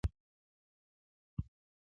لکه دای چې و.